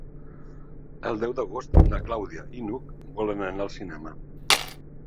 El deu d'agost na Clàudia i n'Hug volen anar al cinema.